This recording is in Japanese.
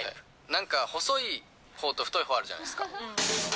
なんか細いほうと太いほうあるじゃないですか。